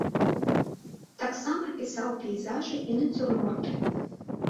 Таксама пісаў пейзажы і нацюрморты.